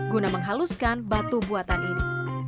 guna menghaluskan batu buatan ini